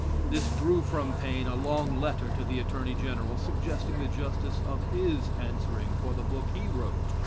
This drew from Paine a long Letter to the Attorney General, suggesting the justice of his answering for the book he wrote.